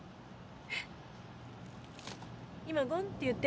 えっ？